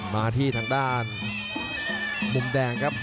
มาที่ทางด้านมุมแดงครับ